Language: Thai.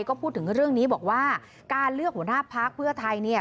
ก็พูดถึงเรื่องนี้บอกว่าการเลือกหัวหน้าพักเพื่อไทยเนี่ย